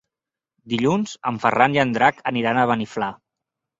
Dilluns en Ferran i en Drac aniran a Beniflà.